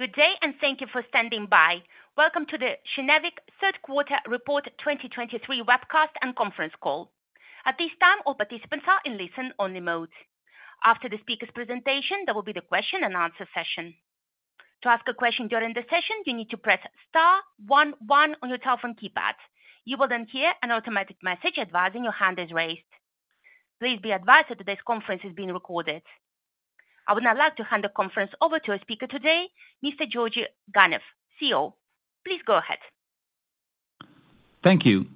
Good day, and thank you for standing by. Welcome to the Kinnevik Third Quarter Report 2023 webcast and conference call. At this time, all participants are in listen-only mode. After the speaker's presentation, there will be the question and answer session. To ask a question during the session, you need to press star one one on your telephone keypad. You will then hear an automatic message advising your hand is raised. Please be advised that today's conference is being recorded. I would now like to hand the conference over to our speaker today, Mr. Georgi Ganev, CEO. Please go ahead. Thank you.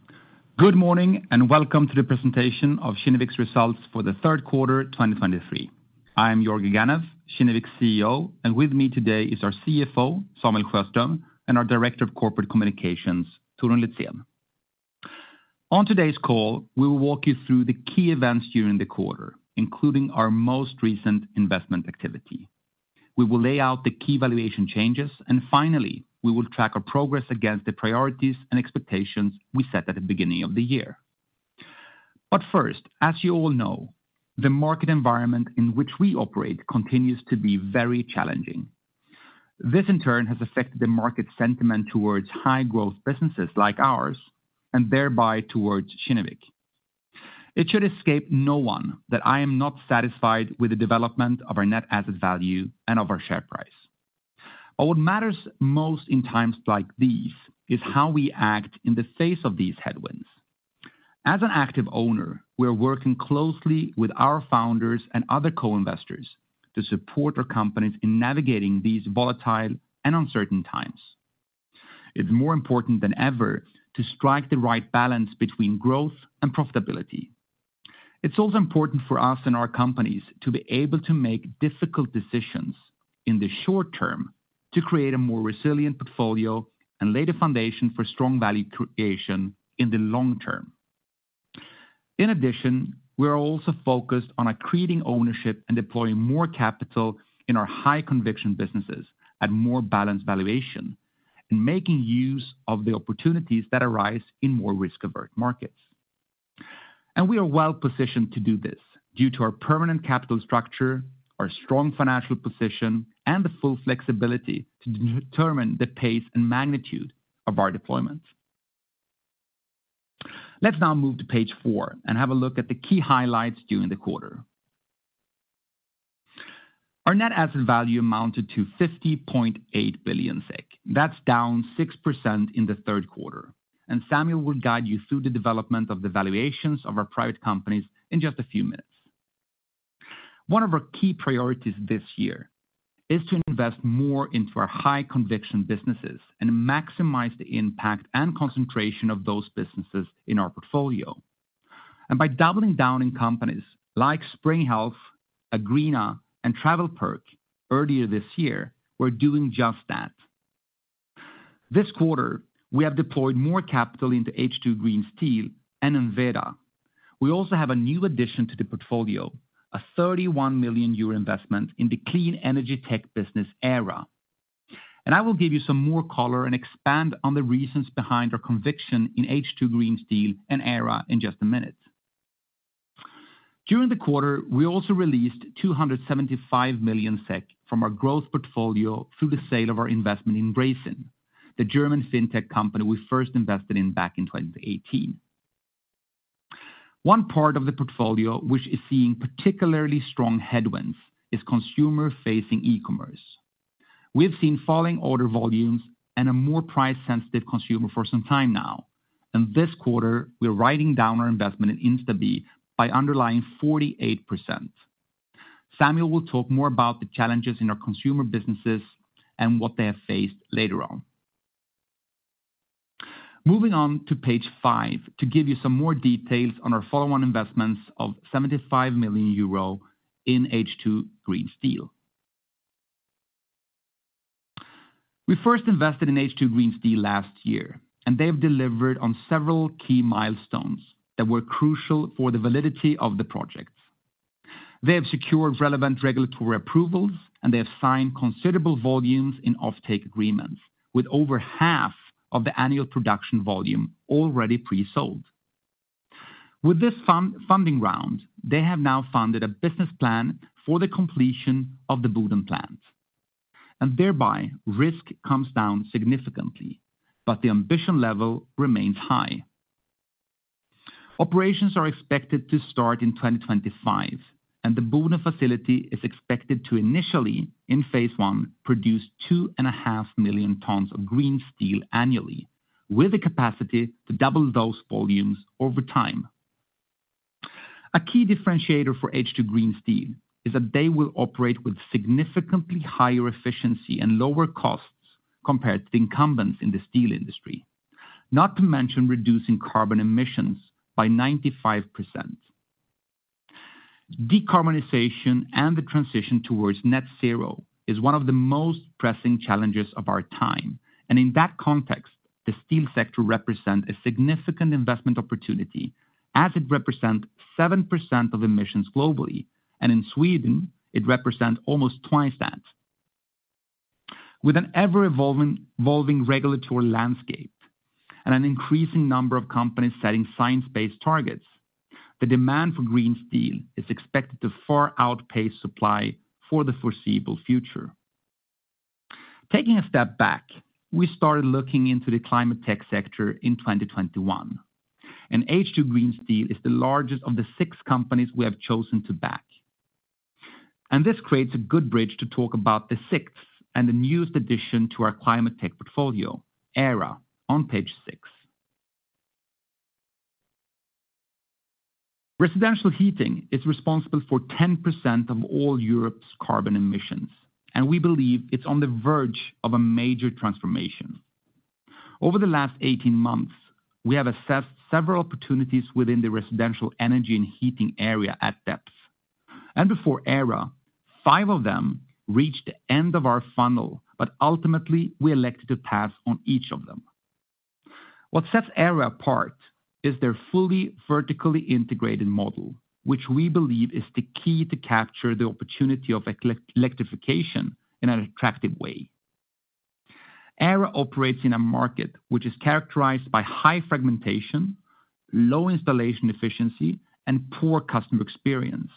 Good morning, and welcome to the presentation of Kinnevik's results for the third quarter 2023. I am Georgi Ganev, Kinnevik's CEO, and with me today is our CFO, Samuel Sjöström, and our Director of Corporate Communications, Torun Litzén. On today's call, we will walk you through the key events during the quarter, including our most recent investment activity. We will lay out the key valuation changes, and finally, we will track our progress against the priorities and expectations we set at the beginning of the year. But first, as you all know, the market environment in which we operate continues to be very challenging. This, in turn, has affected the market sentiment towards high-growth businesses like ours, and thereby towards Kinnevik. It should escape no one that I am not satisfied with the development of our net asset value and of our share price. But what matters most in times like these is how we act in the face of these headwinds. As an active owner, we are working closely with our founders and other co-investors to support our companies in navigating these volatile and uncertain times. It's more important than ever to strike the right balance between growth and profitability. It's also important for us and our companies to be able to make difficult decisions in the short term, to create a more resilient portfolio and lay the foundation for strong value creation in the long term. In addition, we are also focused on accreting ownership and deploying more capital in our high conviction businesses at more balanced valuation, and making use of the opportunities that arise in more risk-averse markets. We are well-positioned to do this due to our permanent capital structure, our strong financial position, and the full flexibility to determine the pace and magnitude of our deployment. Let's now move to page 4 and have a look at the key highlights during the quarter. Our net asset value amounted to 50.8 billion SEK. That's down 6% in the third quarter, and Samuel will guide you through the development of the valuations of our private companies in just a few minutes. One of our key priorities this year is to invest more into our high conviction businesses and maximize the impact and concentration of those businesses in our portfolio. By doubling down in companies like Spring Health, Enveda, and TravelPerk earlier this year, we're doing just that. This quarter, we have deployed more capital into H2 Green Steel and Enveda. We also have a new addition to the portfolio, a 31 million euro investment in the clean energy tech business, Aira. I will give you some more color and expand on the reasons behind our conviction in H2 Green Steel and Aira in just a minute. During the quarter, we also released 275 million SEK from our growth portfolio through the sale of our investment in Raisin, the German fintech company we first invested in back in 2018. One part of the portfolio which is seeing particularly strong headwinds is consumer-facing e-commerce. We've seen falling order volumes and a more price-sensitive consumer for some time now, and this quarter, we're writing down our investment in Instabee by underlying 48%. Samuel will talk more about the challenges in our consumer businesses and what they have faced later on. Moving on to page 5 to give you some more details on our follow-on investments of 75 million euro in H2 Green Steel. We first invested in H2 Green Steel last year, and they have delivered on several key milestones that were crucial for the validity of the projects. They have secured relevant regulatory approvals, and they have signed considerable volumes in offtake agreements, with over half of the annual production volume already pre-sold. With this funding round, they have now funded a business plan for the completion of the Boden plant, and thereby, risk comes down significantly, but the ambition level remains high. Operations are expected to start in 2025, and the Boden facility is expected to initially, in phase one, produce 2.5 million tons of green steel annually, with the capacity to double those volumes over time. A key differentiator for H2 Green Steel is that they will operate with significantly higher efficiency and lower costs compared to the incumbents in the steel industry, not to mention reducing carbon emissions by 95%. Decarbonization and the transition towards net zero is one of the most pressing challenges of our time, and in that context, the steel sector represent a significant investment opportunity as it represent 7% of emissions globally, and in Sweden, it represent almost twice that. With an ever-evolving regulatory landscape and an increasing number of companies setting science-based targets. The demand for green steel is expected to far outpace supply for the foreseeable future. Taking a step back, we started looking into the climate tech sector in 2021, and H2 Green Steel is the largest of the six companies we have chosen to back. This creates a good bridge to talk about the sixth and the newest addition to our climate tech portfolio, Aira, on page 6. Residential heating is responsible for 10% of all Europe's carbon emissions, and we believe it's on the verge of a major transformation. Over the last 18 months, we have assessed several opportunities within the residential energy and heating area at depth, and before Aira, 5 of them reached the end of our funnel, but ultimately, we elected to pass on each of them. What sets Aira apart is their fully vertically integrated model, which we believe is the key to capture the opportunity of electrification in an attractive way. Aira operates in a market which is characterized by high fragmentation, low installation efficiency, and poor customer experience.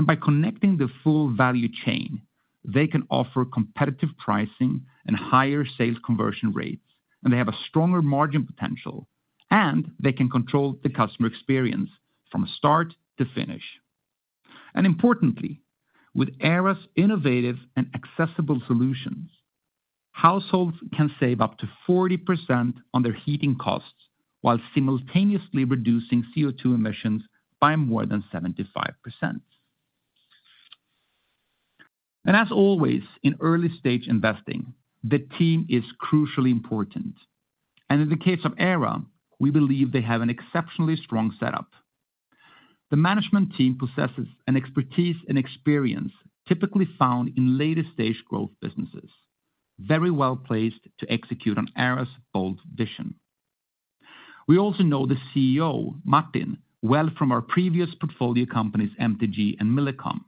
By connecting the full value chain, they can offer competitive pricing and higher sales conversion rates, and they have a stronger margin potential, and they can control the customer experience from start to finish. Importantly, with Aira's innovative and accessible solutions, households can save up to 40% on their heating costs, while simultaneously reducing CO2 emissions by more than 75%. As always, in early stage investing, the team is crucially important, and in the case of Aira, we believe they have an exceptionally strong setup. The management team possesses an expertise and experience typically found in later stage growth businesses, very well-placed to execute on Aira's bold vision. We also know the CEO, Martin, well from our previous portfolio companies, MTG and Millicom.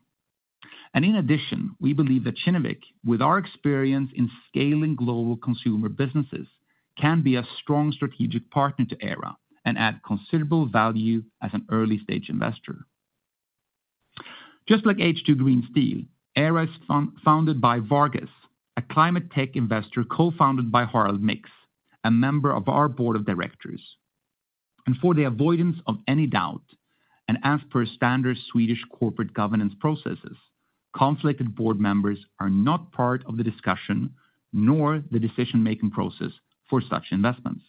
In addition, we believe that Kinnevik, with our experience in scaling global consumer businesses, can be a strong strategic partner to Aira and add considerable value as an early-stage investor. Just like H2 Green Steel, Aira is founded by Vargas, a climate tech investor co-founded by Harald Mix, a member of our board of directors. For the avoidance of any doubt, and as per standard Swedish corporate governance processes, conflicted board members are not part of the discussion nor the decision-making process for such investments.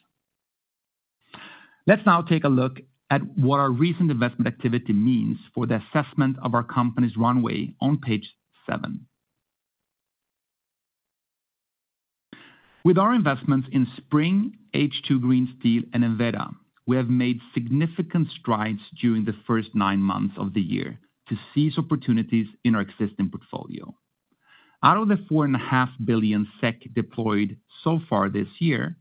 Let's now take a look at what our recent investment activity means for the assessment of our company's runway on page seven. With our investments in Spring, H2 Green Steel, and Enveda, we have made significant strides during the first nine months of the year to seize opportunities in our existing portfolio. Out of the 4.5 billion SEK deployed so far this year,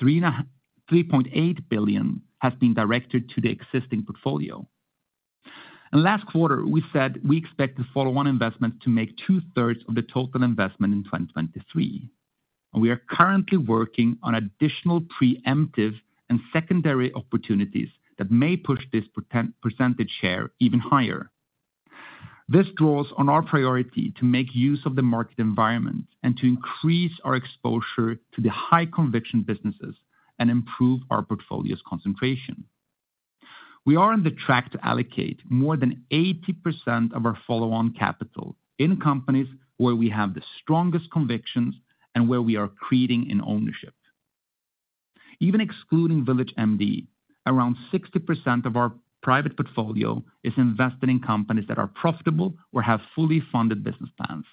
3.8 billion has been directed to the existing portfolio. Last quarter, we said we expect the follow-on investment to make two-thirds of the total investment in 2023. We are currently working on additional preemptive and secondary opportunities that may push this percentage share even higher. This draws on our priority to make use of the market environment and to increase our exposure to the high conviction businesses and improve our portfolio's concentration. We are on track to allocate more than 80% of our follow-on capital in companies where we have the strongest convictions and where we are creating an ownership. Even excluding VillageMD, around 60% of our private portfolio is invested in companies that are profitable or have fully funded business plans.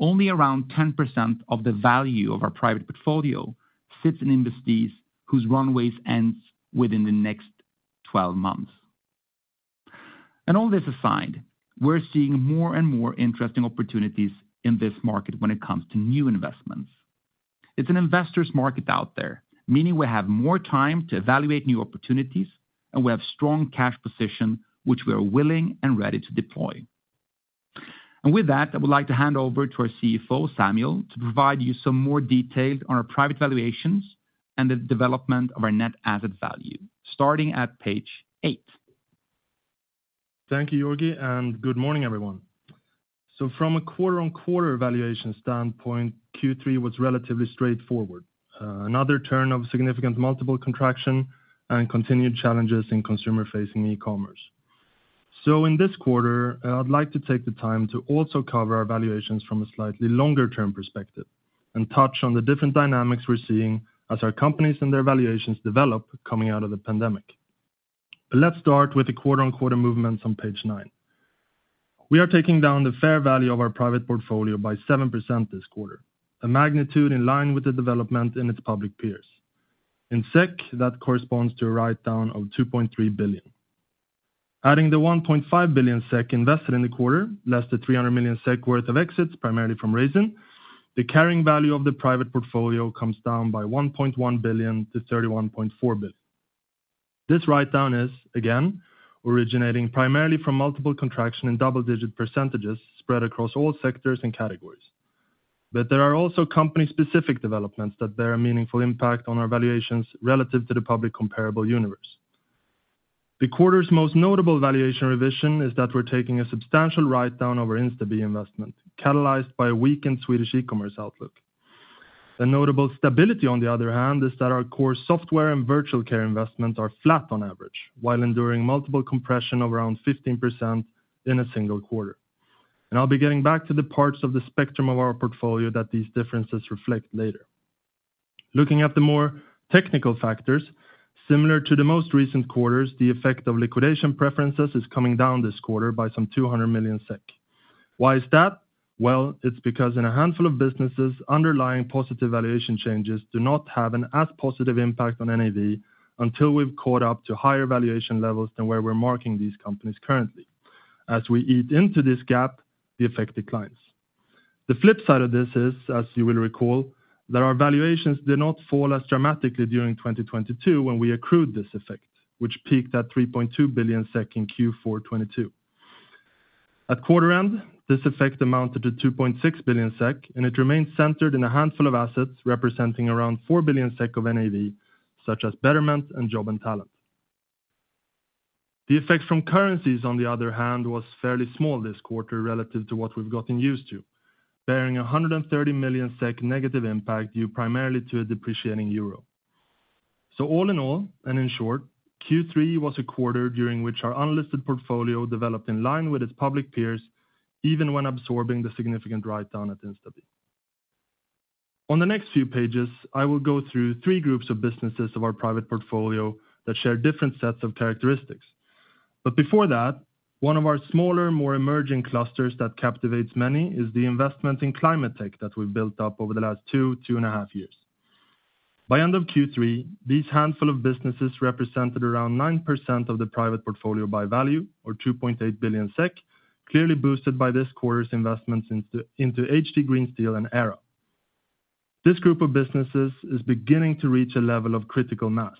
Only around 10% of the value of our private portfolio sits in industries whose runways ends within the next 12 months. All this aside, we're seeing more and more interesting opportunities in this market when it comes to new investments. It's an investor's market out there, meaning we have more time to evaluate new opportunities, and we have strong cash position, which we are willing and ready to deploy. With that, I would like to hand over to our CFO, Samuel, to provide you some more details on our private valuations and the development of our net asset value, starting at page 8. Thank you, Georgi, and good morning, everyone. From a quarter-on-quarter valuation standpoint, Q3 was relatively straightforward. Another turn of significant multiple contraction and continued challenges in consumer-facing e-commerce. In this quarter, I'd like to take the time to also cover our valuations from a slightly longer-term perspective and touch on the different dynamics we're seeing as our companies and their valuations develop coming out of the pandemic. But let's start with the quarter-on-quarter movements on page 9. We are taking down the fair value of our private portfolio by 7% this quarter, a magnitude in line with the development in its public peers. In SEK, that corresponds to a write-down of 2.3 billion. Adding the 1.5 billion SEK invested in the quarter, less the 300 million SEK worth of exits, primarily from Raisin, the carrying value of the private portfolio comes down by 1.1 billion to 31.4 billion. This write down is, again, originating primarily from multiple contraction in double-digit % spread across all sectors and categories. But there are also company-specific developments that bear a meaningful impact on our valuations relative to the public comparable universe. The quarter's most notable valuation revision is that we're taking a substantial write down over Instabee investment, catalyzed by a weakened Swedish e-commerce outlook. A notable stability, on the other hand, is that our core software and virtual care investments are flat on average, while enduring multiple compression of around 15% in a single quarter. I'll be getting back to the parts of the spectrum of our portfolio that these differences reflect later. Looking at the more technical factors, similar to the most recent quarters, the effect of liquidation preferences is coming down this quarter by some 200 million SEK. Why is that? Well, it's because in a handful of businesses, underlying positive valuation changes do not have an as positive impact on NAV until we've caught up to higher valuation levels than where we're marking these companies currently. As we eat into this gap, the effect declines. The flip side of this is, as you will recall, that our valuations did not fall as dramatically during 2022 when we accrued this effect, which peaked at 3.2 billion SEK in Q4 2022. At quarter end, this effect amounted to 2.6 billion SEK, and it remains centered in a handful of assets representing around 4 billion SEK of NAV, such as Betterment and Job&Talent. The effect from currencies, on the other hand, was fairly small this quarter relative to what we've gotten used to, bearing 130 million SEK negative impact due primarily to a depreciating euro. So all in all, and in short, Q3 was a quarter during which our unlisted portfolio developed in line with its public peers, even when absorbing the significant write down at InstaBee. On the next few pages, I will go through three groups of businesses of our private portfolio that share different sets of characteristics. But before that, one of our smaller, more emerging clusters that captivates many is the investment in climate tech that we've built up over the last two, two and a half years. By end of Q3, these handful of businesses represented around 9% of the private portfolio by value or 2.8 billion SEK, clearly boosted by this quarter's investments into, into H2 Green Steel and Aira. This group of businesses is beginning to reach a level of critical mass,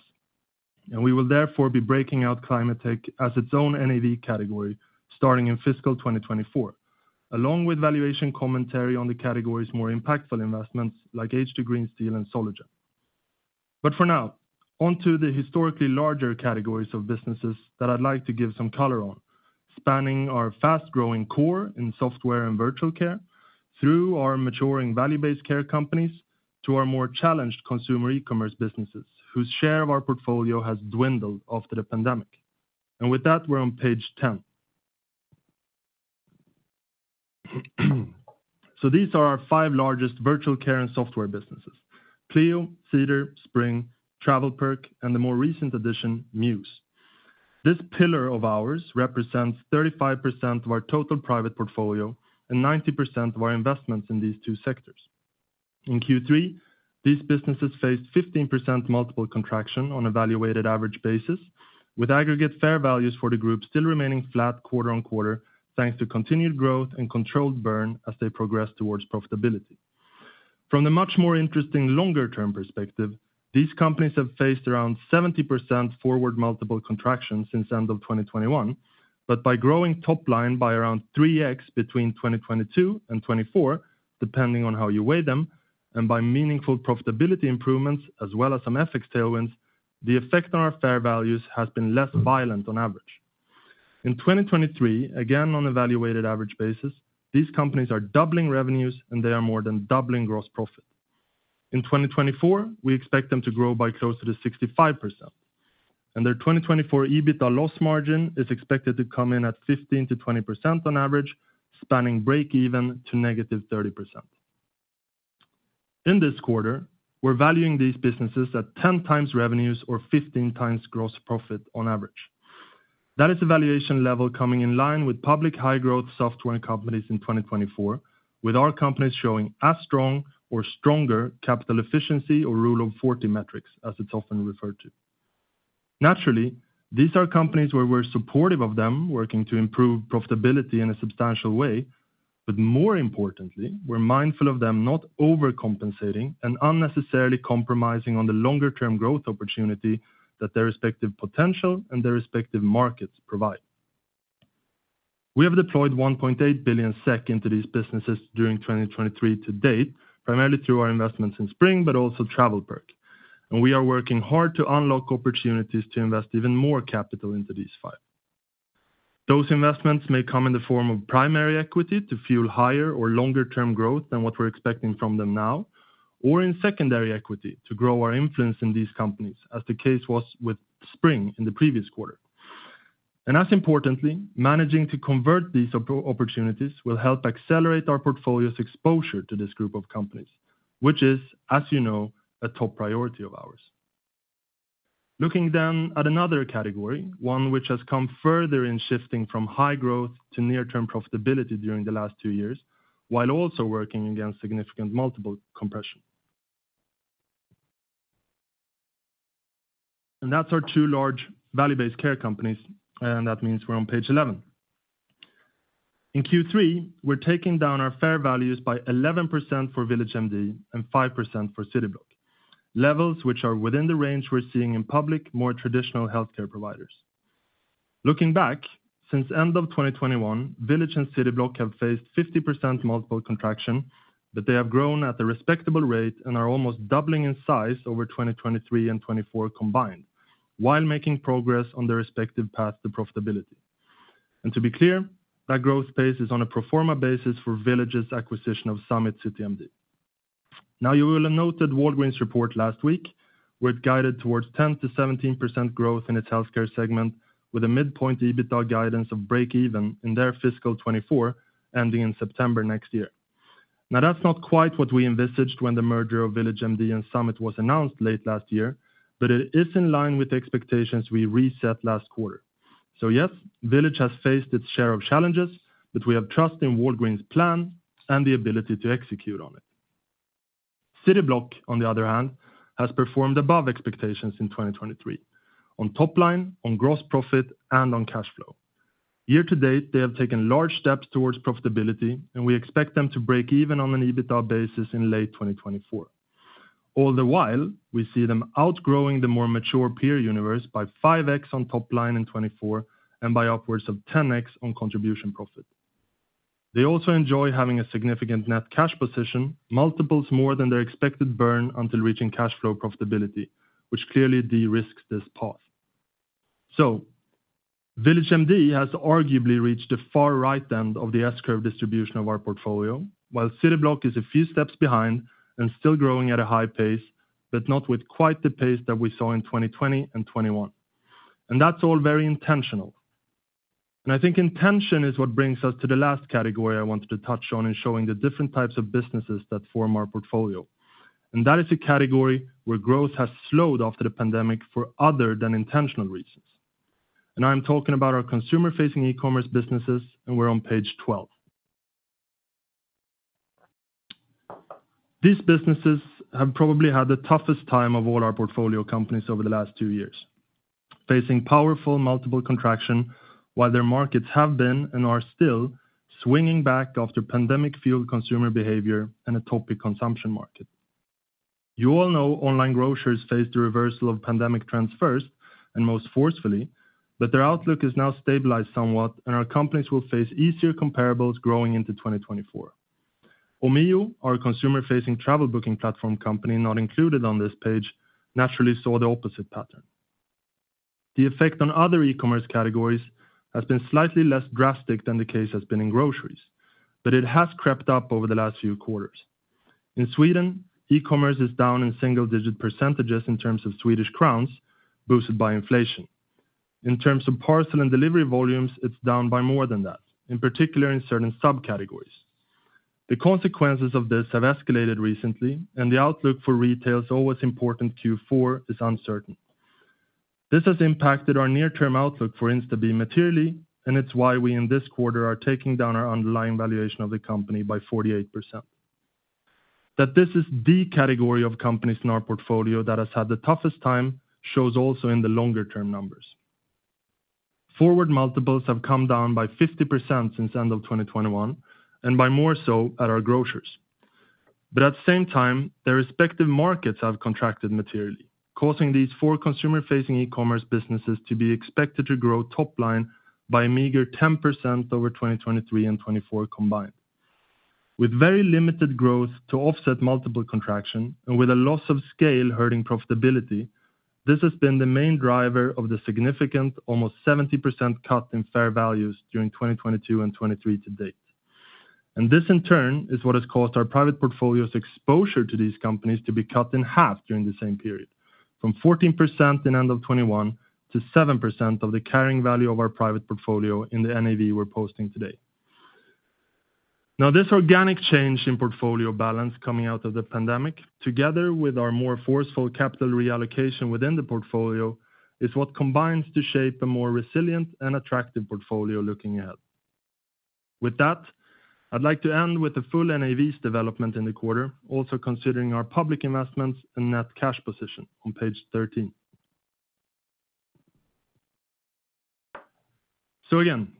and we will therefore be breaking out climate tech as its own NAV category, starting in fiscal 2024, along with valuation commentary on the category's more impactful investments like H2 Green Steel and Solugen. For now, on to the historically larger categories of businesses that I'd like to give some color on, spanning our fast-growing core in software and virtual care, through our maturing value-based care companies, to our more challenged consumer e-commerce businesses, whose share of our portfolio has dwindled after the pandemic. With that, we're on page 10. These are our five largest virtual care and software businesses: Clio, Cedar, Spring, TravelPerk, and the more recent addition, Mews. This pillar of ours represents 35% of our total private portfolio and 90% of our investments in these two sectors. In Q3, these businesses faced 15% multiple contraction on a valuated average basis, with aggregate fair values for the group still remaining flat quarter on quarter, thanks to continued growth and controlled burn as they progress towards profitability. From the much more interesting longer term perspective, these companies have faced around 70% forward multiple contraction since end of 2021, but by growing top line by around 3x between 2022 and 2024, depending on how you weigh them, and by meaningful profitability improvements as well as some FX tailwinds, the effect on our fair values has been less violent on average. In 2023, again, on a value-weighted average basis, these companies are doubling revenues, and they are more than doubling gross profit. In 2024, we expect them to grow by closer to 65%, and their 2024 EBITDA loss margin is expected to come in at 15%-20% on average, spanning break-even to -30%. In this quarter, we're valuing these businesses at 10x revenues or 15x gross profit on average. That is a valuation level coming in line with public high growth software companies in 2024, with our companies showing as strong or stronger capital efficiency or Rule of Forty metrics, as it's often referred to. Naturally, these are companies where we're supportive of them working to improve profitability in a substantial way, but more importantly, we're mindful of them not overcompensating and unnecessarily compromising on the longer term growth opportunity that their respective potential and their respective markets provide. We have deployed 1.8 billion SEK into these businesses during 2023 to date, primarily through our investments in Spring, but also TravelPerk, and we are working hard to unlock opportunities to invest even more capital into these five. Those investments may come in the form of primary equity to fuel higher or longer term growth than what we're expecting from them now, or in secondary equity to grow our influence in these companies, as the case was with Spring in the previous quarter. And as importantly, managing to convert these opportunities will help accelerate our portfolio's exposure to this group of companies, which is, as you know, a top priority of ours. Looking then at another category, one which has come further in shifting from high growth to near-term profitability during the last two years, while also working against significant multiple compression. And that's our two large value-based care companies, and that means we're on page 11. In Q3, we're taking down our fair values by 11% for VillageMD and 5% for Cityblock. Levels which are within the range we're seeing in public, more traditional healthcare providers. Looking back, since end of 2021, VillageMD and Cityblock have faced 50% multiple contraction, but they have grown at a respectable rate and are almost doubling in size over 2023 and 2024 combined, while making progress on their respective path to profitability. And to be clear, that growth pace is on a pro forma basis for VillageMD's acquisition of Summit CityMD. Now, you will have noted Walgreens' report last week, where it guided towards 10%-17% growth in its healthcare segment, with a midpoint EBITDA guidance of break even in their fiscal 2024, ending in September next year. Now, that's not quite what we envisaged when the merger of VillageMD and Summit was announced late last year, but it is in line with the expectations we reset last quarter. So yes, VillageMD has faced its share of challenges, but we have trust in Walgreens' plan and the ability to execute on it. CityBlock, on the other hand, has performed above expectations in 2023, on top line, on gross profit, and on cash flow. Year to date, they have taken large steps towards profitability, and we expect them to break even on an EBITDA basis in late 2024. All the while, we see them outgrowing the more mature peer universe by 5x on top line in 2024, and by upwards of 10x on contribution profit. They also enjoy having a significant net cash position, multiples more than their expected burn until reaching cash flow profitability, which clearly de-risks this path. So VillageMD has arguably reached the far right end of the S-Curve distribution of our portfolio, while CityBlock is a few steps behind and still growing at a high pace, but not with quite the pace that we saw in 2020 and 2021. And that's all very intentional. And I think intention is what brings us to the last category I wanted to touch on in showing the different types of businesses that form our portfolio. And that is a category where growth has slowed after the pandemic for other than intentional reasons. And I'm talking about our consumer-facing e-commerce businesses, and we're on page 12. These businesses have probably had the toughest time of all our portfolio companies over the last two years, facing powerful multiple contraction while their markets have been, and are still, swinging back after pandemic-fueled consumer behavior and a topic consumption market. You all know online grocers faced a reversal of pandemic trends first and most forcefully, but their outlook is now stabilized somewhat, and our companies will face easier comparables growing into 2024. Omio, our consumer-facing travel booking platform company, not included on this page, naturally saw the opposite pattern. The effect on other e-commerce categories has been slightly less drastic than the case has been in groceries, but it has crept up over the last few quarters. In Sweden, e-commerce is down in single-digit % in terms of Swedish crowns, boosted by inflation. In terms of parcel and delivery volumes, it's down by more than that, in particular in certain subcategories. The consequences of this have escalated recently, and the outlook for retail's always important Q4 is uncertain. This has impacted our near-term outlook for InstaBee materially, and it's why we, in this quarter, are taking down our underlying valuation of the company by 48%. That this is the category of companies in our portfolio that has had the toughest time, shows also in the longer-term numbers. Forward multiples have come down by 50% since end of 2021, and by more so at our grocers. But at the same time, their respective markets have contracted materially, causing these four consumer-facing e-commerce businesses to be expected to grow top line by a meager 10% over 2023 and 2024 combined. With very limited growth to offset multiple contraction and with a loss of scale hurting profitability, this has been the main driver of the significant, almost 70% cut in fair values during 2022 and 2023 to date. This, in turn, is what has caused our private portfolio's exposure to these companies to be cut in half during the same period, from 14% in end of 2021 to 7% of the carrying value of our private portfolio in the NAV we're posting today. Now, this organic change in portfolio balance coming out of the pandemic, together with our more forceful capital reallocation within the portfolio, is what combines to shape a more resilient and attractive portfolio looking ahead. With that, I'd like to end with the full NAV's development in the quarter, also considering our public investments and net cash position on page 13. So again,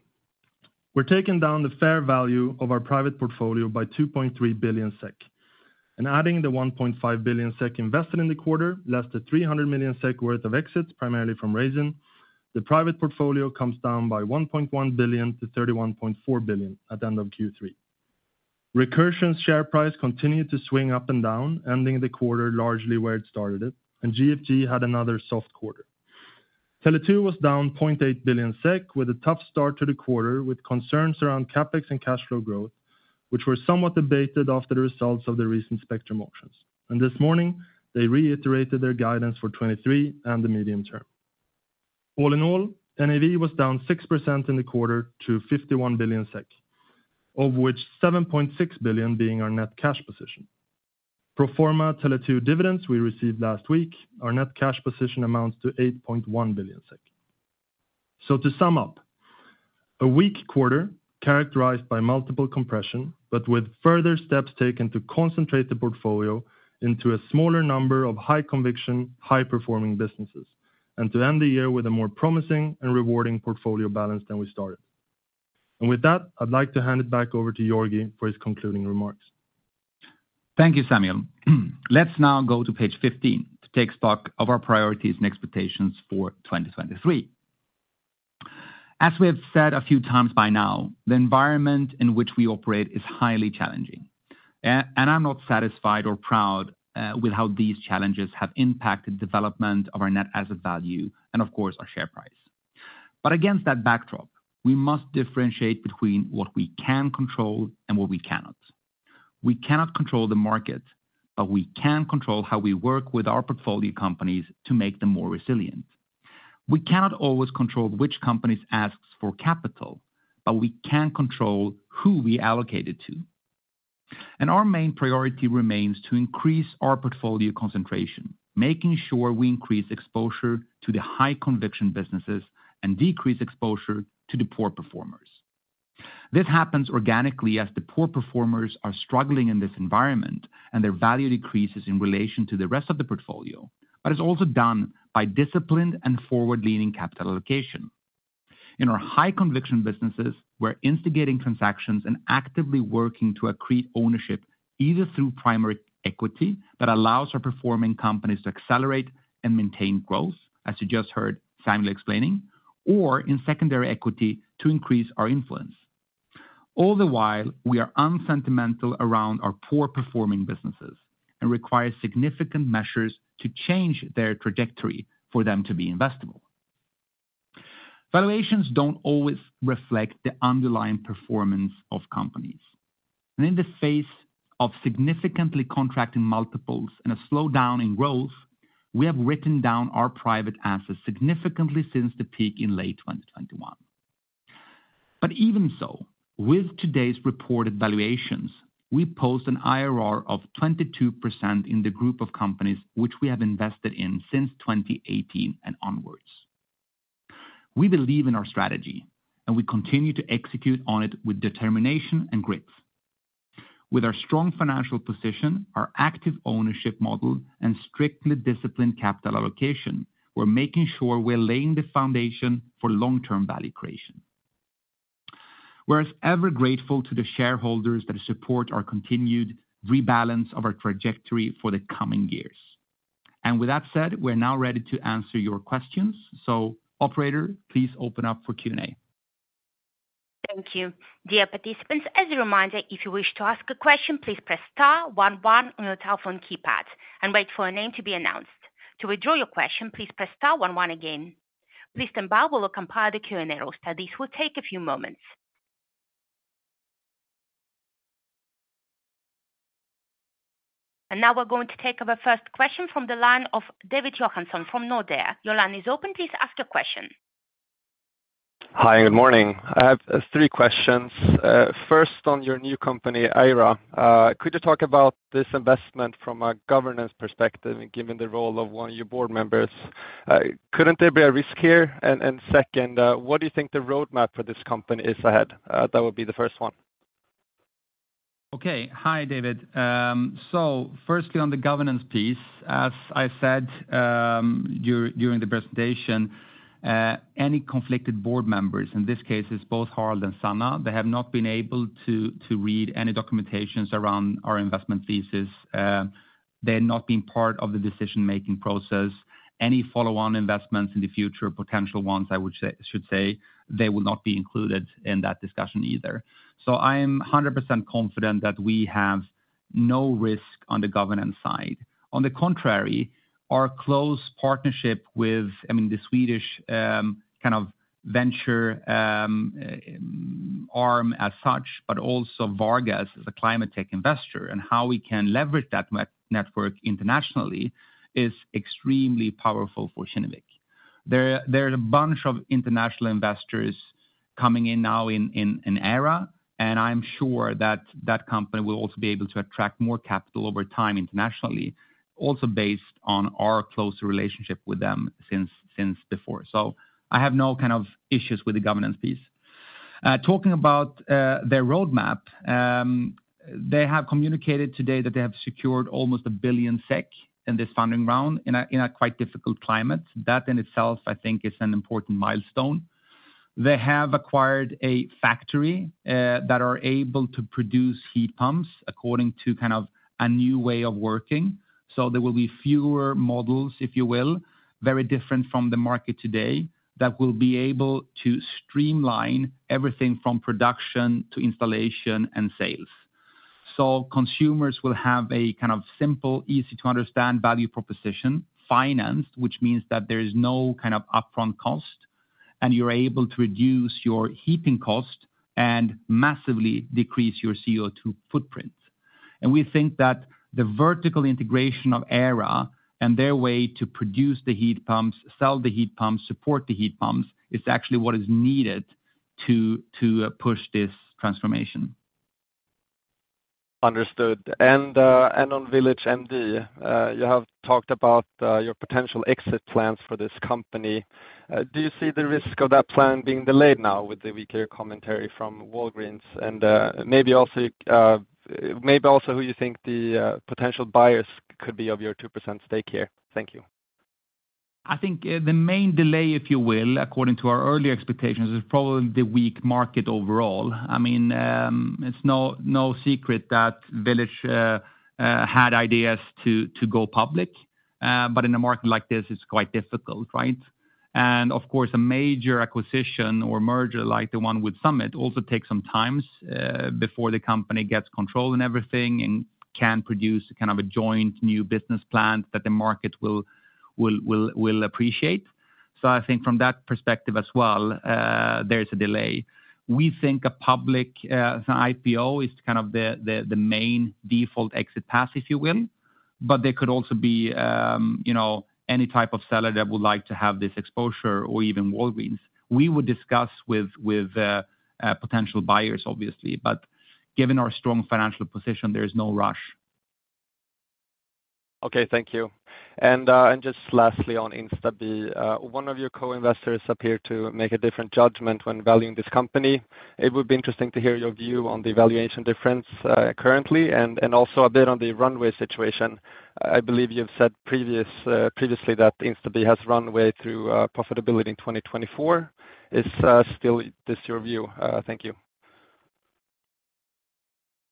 we're taking down the fair value of our private portfolio by 2.3 billion SEK, and adding the 1.5 billion SEK invested in the quarter, less the 300 million SEK worth of exits, primarily from Raisin. The private portfolio comes down by 1.1 billion to 31.4 billion at the end of Q3. Recursion's share price continued to swing up and down, ending the quarter largely where it started it, and GFG had another soft quarter. Tele2 was down 0.8 billion SEK with a tough start to the quarter, with concerns around CapEx and cash flow growth, which were somewhat debated after the results of the recent spectrum auctions. And this morning, they reiterated their guidance for 2023 and the medium term. All in all, NAV was down 6% in the quarter to 51 billion SEK, of which 7.6 billion being our net cash position. Pro forma Tele2 dividends we received last week, our net cash position amounts to 8.1 billion SEK. So to sum up, a weak quarter characterized by multiple compression, but with further steps taken to concentrate the portfolio into a smaller number of high-conviction, high-performing businesses.... and to end the year with a more promising and rewarding portfolio balance than we started. And with that, I'd like to hand it back over to Georgi for his concluding remarks. Thank you, Samuel. Let's now go to page 15 to take stock of our priorities and expectations for 2023. As we have said a few times by now, the environment in which we operate is highly challenging. I'm not satisfied or proud with how these challenges have impacted development of our Net Asset Value, and of course, our share price. But against that backdrop, we must differentiate between what we can control and what we cannot. We cannot control the market, but we can control how we work with our portfolio companies to make them more resilient. We cannot always control which companies asks for capital, but we can control who we allocate it to. And our main priority remains to increase our portfolio concentration, making sure we increase exposure to the high conviction businesses and decrease exposure to the poor performers. This happens organically as the poor performers are struggling in this environment, and their value decreases in relation to the rest of the portfolio, but it's also done by disciplined and forward-leaning capital allocation. In our high conviction businesses, we're instigating transactions and actively working to accrete ownership, either through primary equity that allows our performing companies to accelerate and maintain growth, as you just heard Samuel explaining, or in secondary equity to increase our influence. All the while, we are unsentimental around our poor performing businesses and requires significant measures to change their trajectory for them to be investable. Valuations don't always reflect the underlying performance of companies, and in the face of significantly contracting multiples and a slowdown in growth, we have written down our private assets significantly since the peak in late 2021. But even so, with today's reported valuations, we post an IRR of 22% in the group of companies which we have invested in since 2018 and onwards. We believe in our strategy, and we continue to execute on it with determination and grit. With our strong financial position, our active ownership model, and strictly disciplined capital allocation, we're making sure we're laying the foundation for long-term value creation. We're as ever grateful to the shareholders that support our continued rebalance of our trajectory for the coming years. And with that said, we're now ready to answer your questions. So operator, please open up for Q&A. Thank you. Dear participants, as a reminder, if you wish to ask a question, please press star one one on your telephone keypad and wait for your name to be announced. To withdraw your question, please press star one one again. Please stand by while we compile the Q&A roster. This will take a few moments. Now we're going to take our first question from the line of David Johansson from Nordea. Your line is open. Please ask your question. Hi, good morning. I have three questions. First, on your new company, Aira. Could you talk about this investment from a governance perspective, and given the role of one of your board members, couldn't there be a risk here? And, and second, what do you think the roadmap for this company is ahead? That would be the first one. Okay. Hi, David. So firstly on the governance piece, as I said, during the presentation, any conflicted board members, in this case, it's both Harald and Sanna, they have not been able to read any documentations around our investment thesis, they've not been part of the decision-making process. Any follow-on investments in the future, potential ones, I would say- I should say, they will not be included in that discussion either. So I am 100% confident that we have no risk on the governance side. On the contrary, our close partnership with, I mean, the Swedish kind of venture arm as such, but also Vargas as a climate tech investor and how we can leverage that network internationally is extremely powerful for Kinnevik. There are a bunch of international investors coming in now in Aira, and I'm sure that that company will also be able to attract more capital over time internationally, also based on our close relationship with them since before. So I have no kind of issues with the governance piece. Talking about their roadmap, they have communicated today that they have secured almost 1 billion SEK in this funding round, in a quite difficult climate. That in itself, I think, is an important milestone. They have acquired a factory that are able to produce heat pumps according to kind of a new way of working. So there will be fewer models, if you will, very different from the market today, that will be able to streamline everything from production to installation and sales. So consumers will have a kind of simple, easy-to-understand value proposition, financed, which means that there is no kind of upfront cost, and you're able to reduce your heating cost and massively decrease your CO2 footprint. And we think that the vertical integration of Aira and their way to produce the heat pumps, sell the heat pumps, support the heat pumps, is actually what is needed to push this transformation. Understood. And on VillageMD, you have talked about your potential exit plans for this company. Do you see the risk of that plan being delayed now with the weaker commentary from Walgreens? And maybe also who you think the potential buyers could be of your 2% stake here? Thank you.... I think, the main delay, if you will, according to our early expectations, is probably the weak market overall. I mean, it's no, no secret that Village had ideas to go public, but in a market like this, it's quite difficult, right? And of course, a major acquisition or merger, like the one with Summit, also takes some times, before the company gets control and everything, and can produce kind of a joint new business plan that the market will appreciate. So I think from that perspective as well, there's a delay. We think a public, an IPO is kind of the main default exit path, if you will, but there could also be, you know, any type of seller that would like to have this exposure or even Walgreens. We would discuss with potential buyers, obviously, but given our strong financial position, there is no rush. Okay. Thank you. And just lastly, on InstaBee, one of your co-investors appeared to make a different judgment when valuing this company. It would be interesting to hear your view on the valuation difference, currently, and also a bit on the runway situation. I believe you've said previous, previously that InstaBee has runway through profitability in 2024. Is still this your view? Thank you.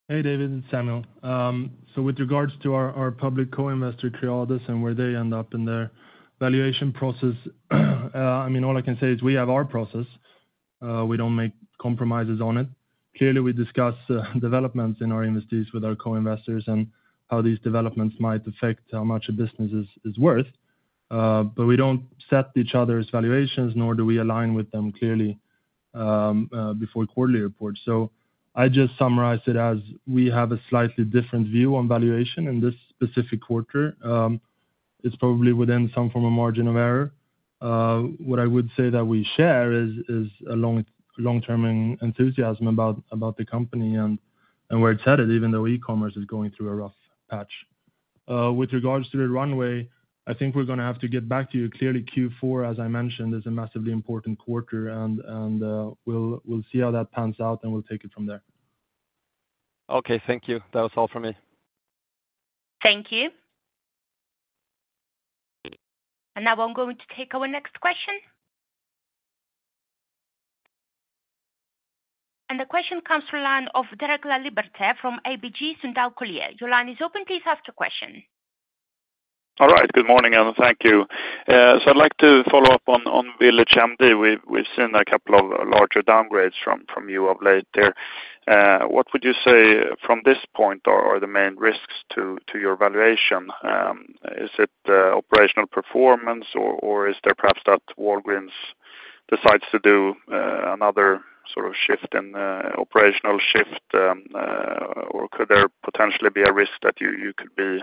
Hey, David, it's Samuel. So with regards to our, our public co-investor, Creades, and where they end up in their valuation process, I mean, all I can say is we have our process. We don't make compromises on it. Clearly, we discuss developments in our investees with our co-investors and how these developments might affect how much a business is, is worth. But we don't set each other's valuations, nor do we align with them clearly before quarterly reports. So I just summarize it as we have a slightly different view on valuation in this specific quarter. It's probably within some form of margin of error. What I would say that we share is a long, long-term enthusiasm about, about the company and where it's headed, even though e-commerce is going through a rough patch. With regards to the runway, I think we're gonna have to get back to you. Clearly, Q4, as I mentioned, is a massively important quarter, and we'll see how that pans out, and we'll take it from there. Okay, thank you. That was all for me. Thank you. Now I'm going to take our next question. The question comes from line of Derek Laliberte, from ABG Sundal Collier. Your line is open, please ask your question. All right. Good morning, and thank you. So I'd like to follow up on VillageMD. We've seen a couple of larger downgrades from you of late there. What would you say from this point are the main risks to your valuation? Is it operational performance, or is there perhaps that Walgreens decides to do another sort of shift and operational shift, or could there potentially be a risk that you could be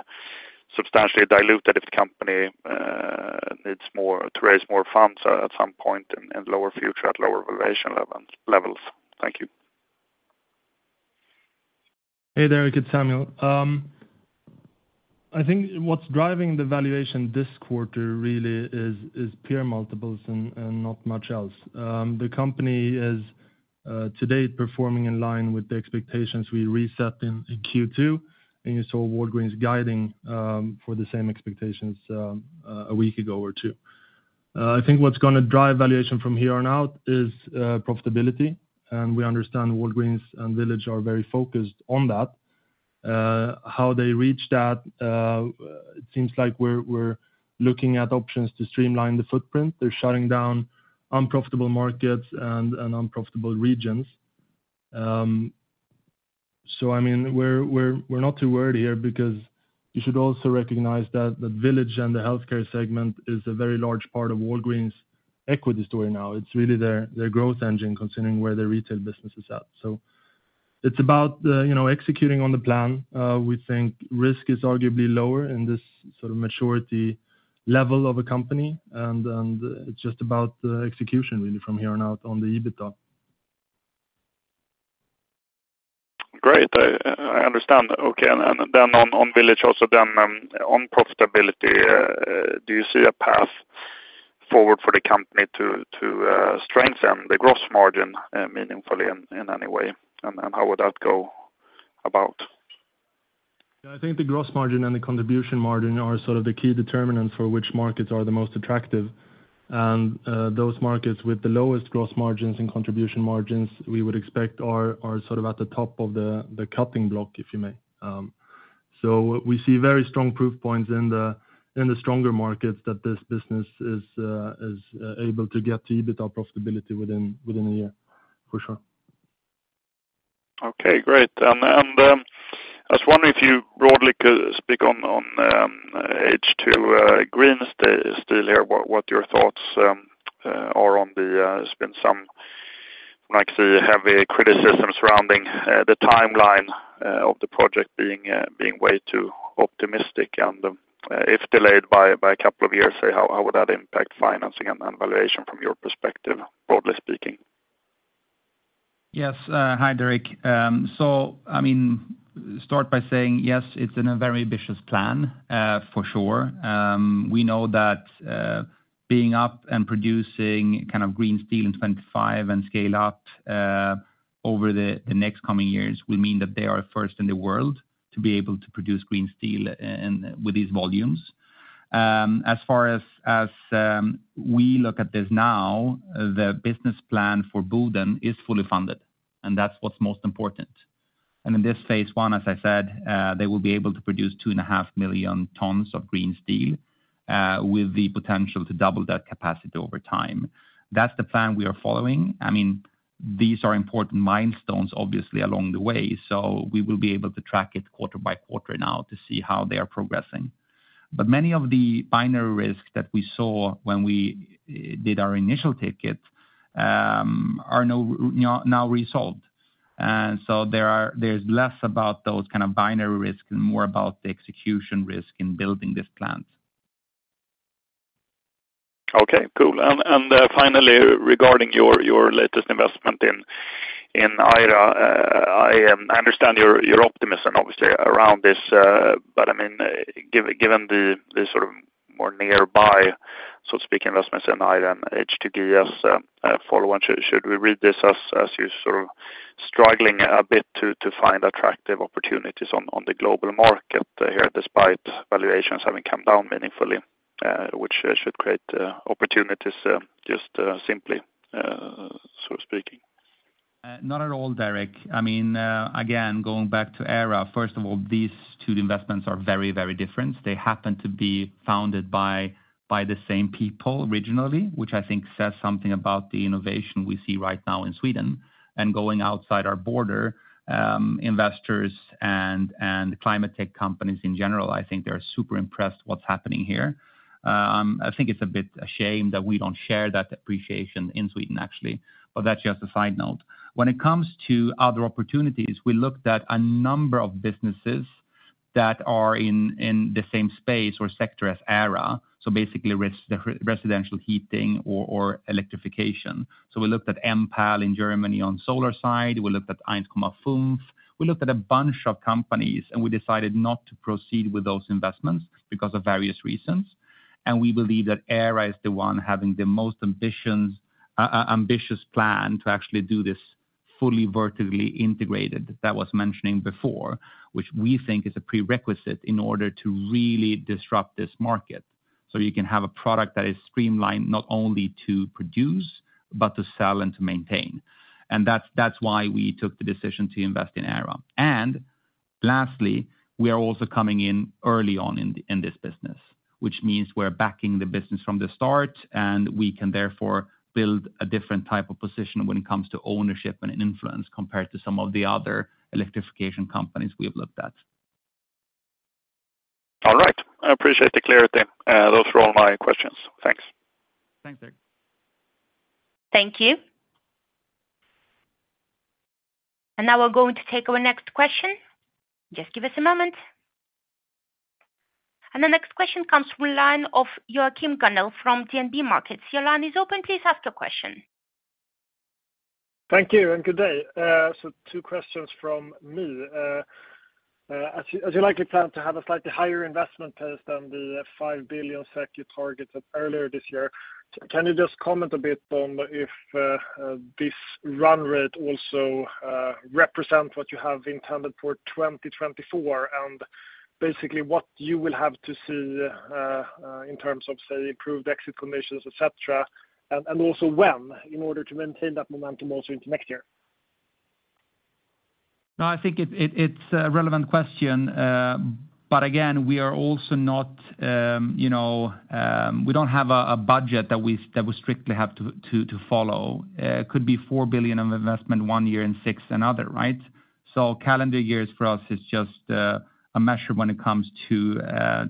substantially diluted if the company needs more to raise more funds at some point and lower future, at lower valuation levels? Thank you. Hey, Derek, it's Samuel. I think what's driving the valuation this quarter really is peer multiples and not much else. The company is to date performing in line with the expectations we reset in Q2, and you saw Walgreens guiding for the same expectations a week ago or two. I think what's gonna drive valuation from here on out is profitability, and we understand Walgreens and Village are very focused on that. How they reach that, it seems like we're looking at options to streamline the footprint. They're shutting down unprofitable markets and unprofitable regions. So I mean, we're not too worried here because you should also recognize that the Village and the healthcare segment is a very large part of Walgreens' equity story now. It's really their growth engine, considering where their retail business is at. So it's about, you know, executing on the plan. We think risk is arguably lower in this sort of maturity level of a company, and it's just about execution really from here on out on the EBITDA. Great. I understand. Okay, and then on Village also, then, on profitability, do you see a path forward for the company to strengthen the gross margin meaningfully in any way? And how would that go about? Yeah, I think the gross margin and the contribution margin are sort of the key determinants for which markets are the most attractive. And those markets with the lowest gross margins and contribution margins, we would expect are sort of at the top of the cutting block, if you may. So we see very strong proof points in the stronger markets that this business is able to get to EBITDA profitability within a year, for sure. Okay, great. And I was wondering if you broadly could speak on H2 Green Steel, what your thoughts are on the... There's been some like heavy criticism surrounding the timeline of the project being way too optimistic. And if delayed by a couple of years, so how would that impact financing and valuation from your perspective, broadly speaking? Yes. Hi, Derek. So I mean, start by saying, yes, it's a very ambitious plan, for sure. We know that, being up and producing kind of green steel in 2025 and scale up, over the next coming years will mean that they are first in the world... to be able to produce green steel and with these volumes. As far as we look at this now, the business plan for Boden is fully funded, and that's what's most important. In this phase one, as I said, they will be able to produce 2.5 million tons of green steel, with the potential to double that capacity over time. That's the plan we are following. I mean, these are important milestones, obviously, along the way, so we will be able to track it quarter by quarter now to see how they are progressing. But many of the binary risks that we saw when we did our initial ticket are now resolved. And so there is less about those kind of binary risk and more about the execution risk in building this plant. Okay, cool. And finally, regarding your latest investment in Aira, I understand you're optimistic and obviously around this, but I mean, given the sort of more nearby, so to speak, investments in Aira and HTGS, follow on, should we read this as you're sort of struggling a bit to find attractive opportunities on the global market here, despite valuations having come down meaningfully, which should create opportunities, just simply so speaking? Not at all, Derek. I mean, again, going back to Aira, first of all, these two investments are very, very different. They happen to be founded by the same people originally, which I think says something about the innovation we see right now in Sweden. And going outside our border, investors and climate tech companies in general, I think they are super impressed what's happening here. I think it's a bit a shame that we don't share that appreciation in Sweden, actually, but that's just a side note. When it comes to other opportunities, we looked at a number of businesses that are in the same space or sector as Aira, so basically residential heating or electrification. So we looked at Enpal in Germany on solar side, we looked at EinsKommaFünf, we looked at a bunch of companies, and we decided not to proceed with those investments because of various reasons. And we believe that Aira is the one having the most ambitions, ambitious plan to actually do this fully vertically integrated, that was mentioning before, which we think is a prerequisite in order to really disrupt this market. So you can have a product that is streamlined not only to produce, but to sell and to maintain. And that's, that's why we took the decision to invest in Aira. And lastly, we are also coming in early on in this business, which means we're backing the business from the start, and we can therefore build a different type of position when it comes to ownership and influence, compared to some of the other electrification companies we have looked at. All right. I appreciate the clarity. Those are all my questions. Thanks. Thanks, Derek. Thank you. And now we're going to take our next question. Just give us a moment. And the next question comes from the line of Joachim Gunell from DNB Markets. Your line is open. Please ask your question. Thank you, and good day. So two questions from me. As you likely plan to have a slightly higher investment pace than the 5 billion SEK you targeted earlier this year, can you just comment a bit on if this run rate also represent what you have intended for 2024? And basically, what you will have to see in terms of, say, improved exit conditions, et cetera, and also when, in order to maintain that momentum also into next year? No, I think it's a relevant question. But again, we are also not, you know, we don't have a budget that we strictly have to follow. It could be 4 billion of investment one year and 6 billion another, right? So calendar years for us is just a measure when it comes to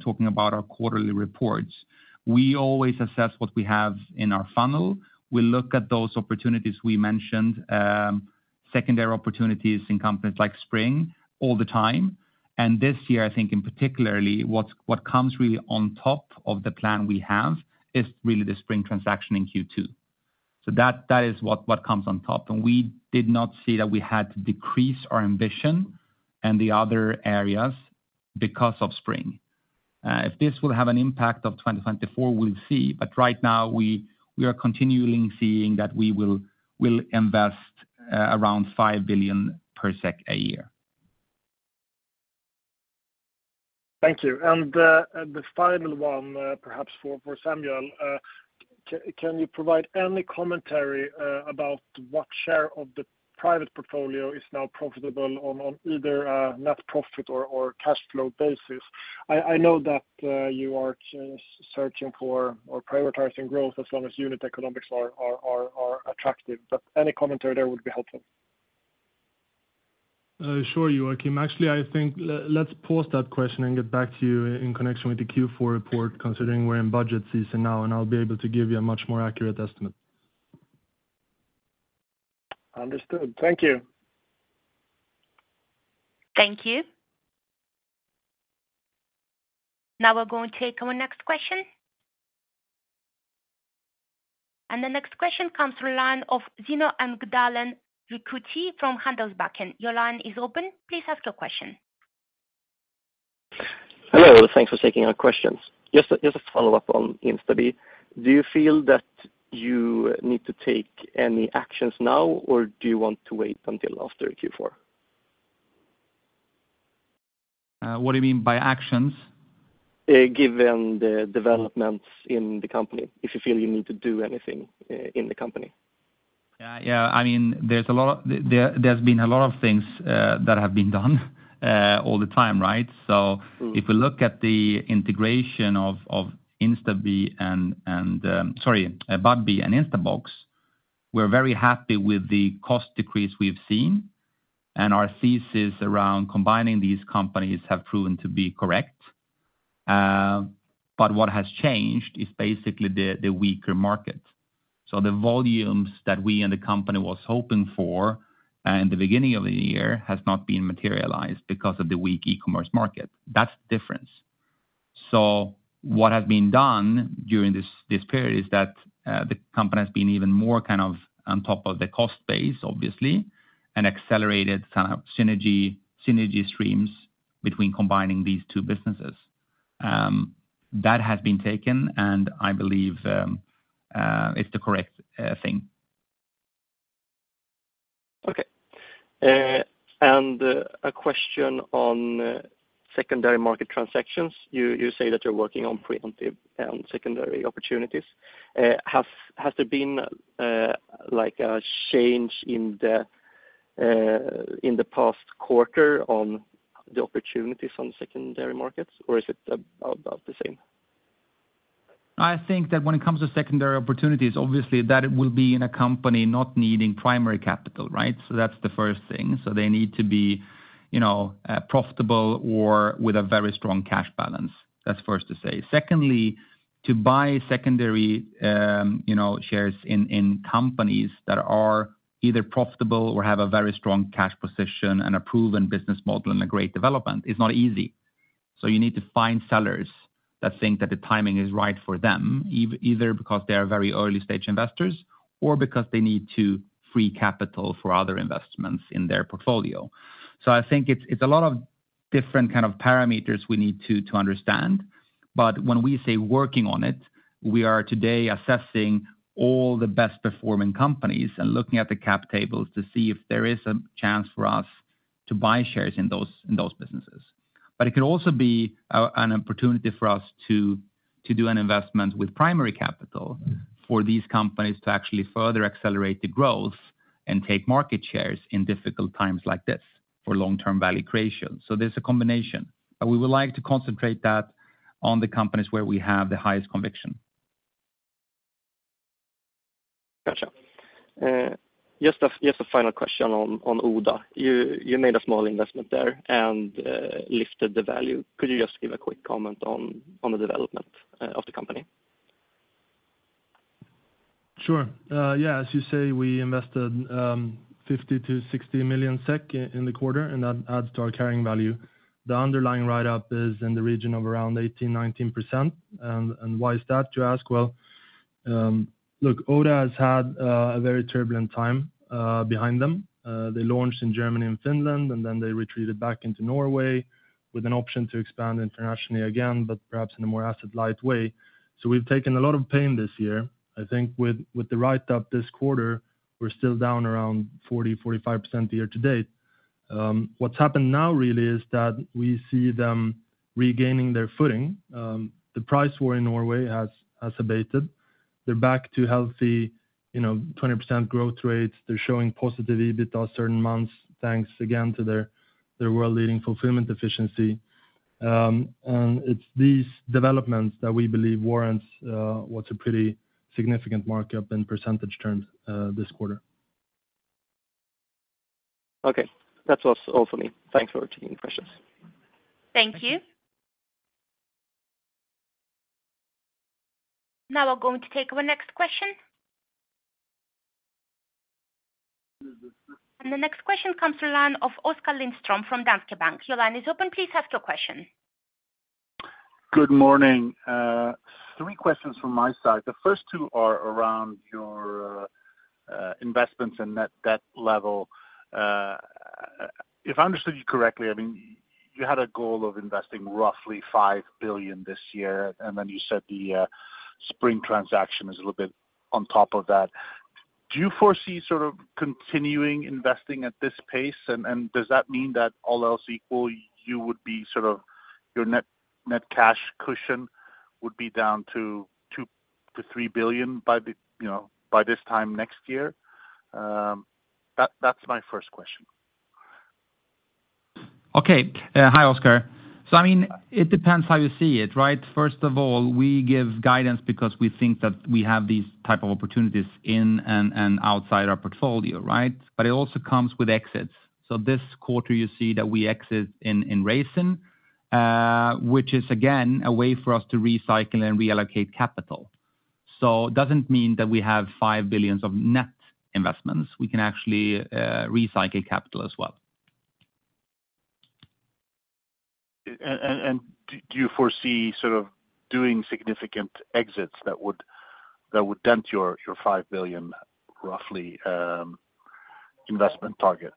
talking about our quarterly reports. We always assess what we have in our funnel. We look at those opportunities we mentioned, secondary opportunities in companies like Spring, all the time. And this year, I think in particularly, what comes really on top of the plan we have is really the Spring transaction in Q2. So that is what comes on top. And we did not see that we had to decrease our ambition and the other areas because of Spring. If this will have an impact of 2024, we'll see. But right now, we are continually seeing that we will invest around 5 billion a year. Thank you. And, the final one, perhaps for, for Samuel. Can you provide any commentary about what share of the private portfolio is now profitable on either a net profit or cash flow basis? I know that you are searching for or prioritizing growth as long as unit economics are attractive, but any commentary there would be helpful. Sure, Joachim. Actually, I think let's pause that question and get back to you in connection with the Q4 report, considering we're in budget season now, and I'll be able to give you a much more accurate estimate. Understood. Thank you. Thank you. Now we're going to take our next question. The next question comes from the line of Cino Ricciuti from Handelsbanken. Your line is open. Please ask your question.... Hello, thanks for taking our questions. Just, just a follow-up on InstaBee. Do you feel that you need to take any actions now, or do you want to wait until after Q4? What do you mean by actions? Given the developments in the company, if you feel you need to do anything in the company. Yeah, yeah. I mean, there's been a lot of things that have been done all the time, right? So- Mm. If we look at the integration of InstaBee and Budbee and Instabox, we're very happy with the cost decrease we've seen, and our thesis around combining these companies have proven to be correct. But what has changed is basically the weaker market. So the volumes that we and the company was hoping for in the beginning of the year has not been materialized because of the weak e-commerce market. That's the difference. So what has been done during this period is that the company has been even more kind of on top of the cost base, obviously, and accelerated kind of synergy streams between combining these two businesses. That has been taken, and I believe it's the correct thing. Okay. And a question on secondary market transactions. You say that you're working on preemptive secondary opportunities. Has there been, like, a change in the past quarter on the opportunities on secondary markets, or is it about the same? I think that when it comes to secondary opportunities, obviously, that it will be in a company not needing primary capital, right? So that's the first thing. So they need to be, you know, profitable or with a very strong cash balance. That's first to say. Secondly, to buy secondary, you know, shares in companies that are either profitable or have a very strong cash position and a proven business model and a great development is not easy. So you need to find sellers that think that the timing is right for them, either because they are very early-stage investors or because they need to free capital for other investments in their portfolio. So I think it's a lot of different kind of parameters we need to understand. But when we say working on it, we are today assessing all the best-performing companies and looking at the cap tables to see if there is a chance for us to buy shares in those businesses. But it could also be an opportunity for us to do an investment with primary capital for these companies to actually further accelerate the growth and take market shares in difficult times like this, for long-term value creation. So there's a combination, but we would like to concentrate that on the companies where we have the highest conviction. Gotcha. Just a final question on Oda. You made a small investment there and lifted the value. Could you just give a quick comment on the development of the company? Sure. Yeah, as you say, we invested 50-60 million SEK in the quarter, and that adds to our carrying value. The underlying write-up is in the region of around 18-19%. And why is that, you ask? Well, look, Oda has had a very turbulent time behind them. They launched in Germany and Finland, and then they retreated back into Norway with an option to expand internationally again, but perhaps in a more asset-light way. So we've taken a lot of pain this year. I think with the write-up this quarter, we're still down around 40-45% year-to-date. What's happened now really is that we see them regaining their footing. The price war in Norway has abated. They're back to healthy, you know, 20% growth rates. They're showing positive EBITDA certain months, thanks again to their world-leading fulfillment efficiency. And it's these developments that we believe warrants what's a pretty significant markup in percentage terms, this quarter. Okay. That was all for me. Thanks for taking the questions. Thank you. Now we're going to take our next question. The next question comes from the line of Oskar Lindström from Danske Bank. Your line is open. Please ask your question. Good morning. Three questions from my side. The first two are around your investments and net debt level. If I understood you correctly, I mean, you had a goal of investing roughly 5 billion this year, and then you said the Spring transaction is a little bit on top of that. Do you foresee sort of continuing investing at this pace? And does that mean that all else equal, you would be sort of... Your net cash cushion would be down to 2 billion-3 billion by the, you know, by this time next year? That, that's my first question. Okay. Hi, Oskar. So, I mean, it depends how you see it, right? First of all, we give guidance because we think that we have these type of opportunities in and outside our portfolio, right? But it also comes with exits. So this quarter, you see that we exit in Raisin, which is, again, a way for us to recycle and reallocate capital. So it doesn't mean that we have 5 billion of net investments. We can actually recycle capital as well. Do you foresee sort of doing significant exits that would, that would dent your, your 5 billion roughly investment target?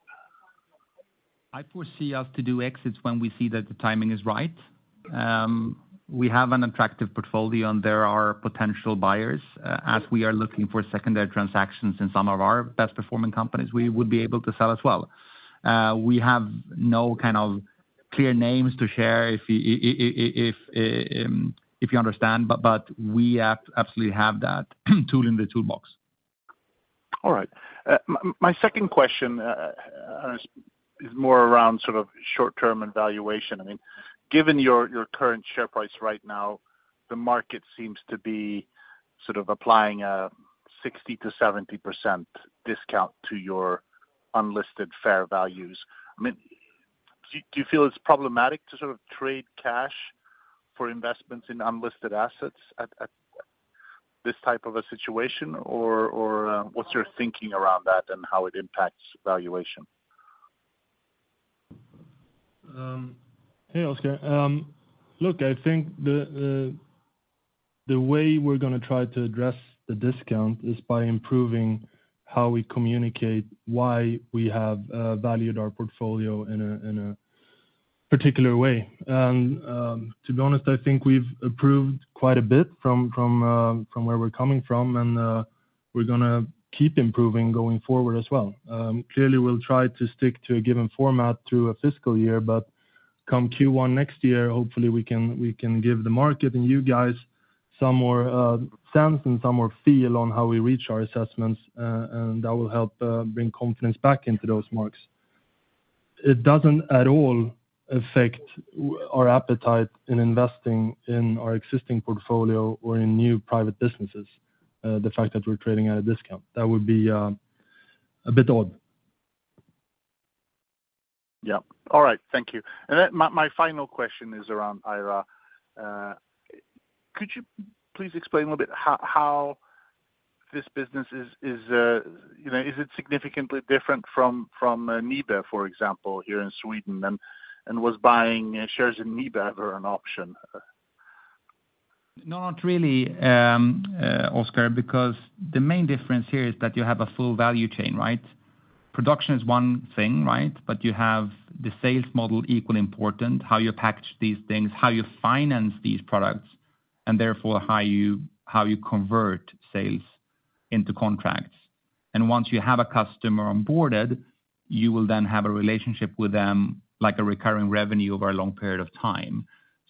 I foresee us to do exits when we see that the timing is right. We have an attractive portfolio, and there are potential buyers, as we are looking for secondary transactions in some of our best performing companies, we would be able to sell as well. We have no kind of clear names to share if you understand, but we absolutely have that tool in the toolbox. All right. My second question is more around sort of short-term and valuation. I mean, given your current share price right now, the market seems to be sort of applying a 60%-70% discount to your unlisted fair values. I mean, do you feel it's problematic to sort of trade cash for investments in unlisted assets at this type of a situation? Or what's your thinking around that and how it impacts valuation? Hey, Oskar. Look, I think the way we're gonna try to address the discount is by improving how we communicate why we have valued our portfolio in a particular way. To be honest, I think we've improved quite a bit from where we're coming from, and we're gonna keep improving going forward as well. Clearly, we'll try to stick to a given format through a fiscal year, but come Q1 next year, hopefully, we can give the market and you guys some more sense and some more feel on how we reach our assessments, and that will help bring confidence back into those marks. It doesn't at all affect our appetite in investing in our existing portfolio or in new private businesses, the fact that we're trading at a discount. That would be a bit odd. Yeah. All right, thank you. And then my final question is around Aira. Could you please explain a little bit how this business is, you know, is it significantly different from NIBE, for example, here in Sweden? And was buying shares in NIBE ever an option? Not really, Oskar, because the main difference here is that you have a full value chain, right? Production is one thing, right? But you have the sales model equally important, how you package these things, how you finance these products, and therefore how you convert sales into contracts. And once you have a customer onboarded, you will then have a relationship with them, like a recurring revenue over a long period of time.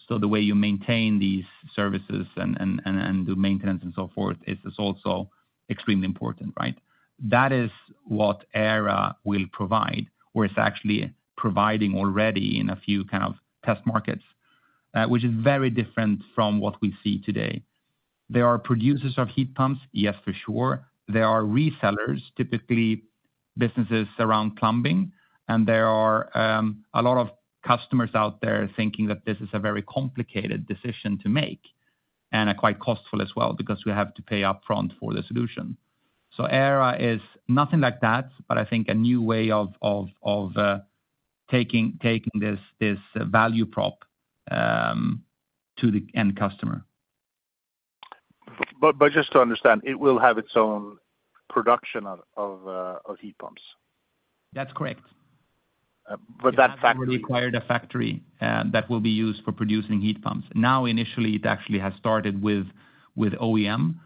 So the way you maintain these services and do maintenance and so forth is also extremely important, right? That is what Aira will provide, or is actually providing already in a few kind of test markets, which is very different from what we see today. There are producers of heat pumps, yes, for sure. There are resellers, typically businesses around plumbing, and there are a lot of customers out there thinking that this is a very complicated decision to make, and are quite costly as well because we have to pay upfront for the solution. So Aira is nothing like that, but I think a new way of taking this value prop to the end customer. But just to understand, it will have its own production of heat pumps? That's correct. but that factory- We acquired a factory that will be used for producing heat pumps. Now, initially, it actually has started with OEM,